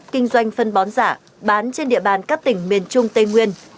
kinh doanh phân bón giả bán trên địa bàn các tỉnh miền trung tây nguyên